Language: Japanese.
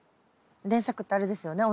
連作ってあれですよね？